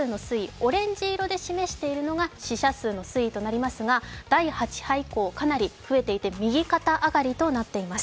オレンジ色で示しているのが死者数の推移となりますが大８波以降、かなり増えていて、右肩上がりとなっています。